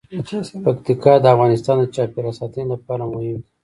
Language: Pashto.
پکتیکا د افغانستان د چاپیریال ساتنې لپاره مهم دي.